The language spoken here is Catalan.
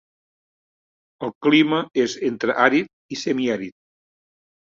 El clima és entre àrid i semiàrid.